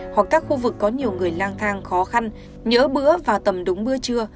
hoặc các khu vực có nhiều người lang thang khó khăn nhỡ bữa và tầm đúng bữa trưa